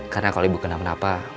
karena kalau ibu kenapa napa